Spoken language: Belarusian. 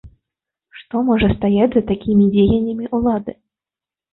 Што можа стаяць за такімі дзеяннямі ўлады?